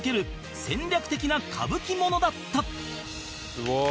すごい。